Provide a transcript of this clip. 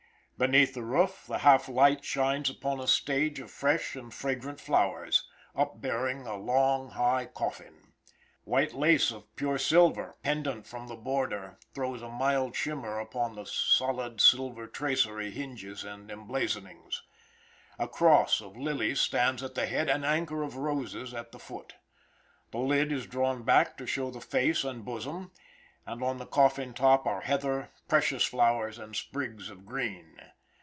Beneath the roof, the half light shines upon a stage of fresh and fragrant flowers, up bearing a long, high coffin. White lace of pure silver pendant from the border throws a mild shimmer upon the solid silver tracery hinges and emblazonings. A cross of lilies stands at the head, an anchor of roses at the foot. The lid is drawn back to show the face and bosom, and on the coffin top are heather, precious flowers, and sprigs of green.